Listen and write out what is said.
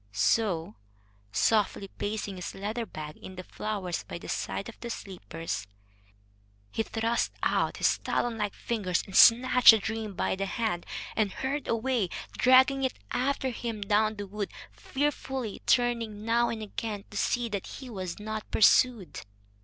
So, softly placing his leather bag in the flowers by the side of the sleepers, he thrust out his talon like fingers and snatched the dream by the hand, and hurried away, dragging it after him down the wood, fearfully turning now and again to see that he was not pursued.